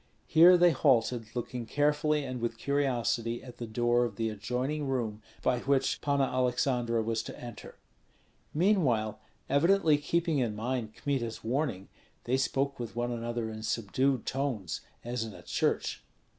Here they halted, looking carefully and with curiosity at the door of the adjoining room, by which Panna Aleksandra was to enter. Meanwhile, evidently keeping in mind Kmita's warning, they spoke with one another in subdued tones, as in a church.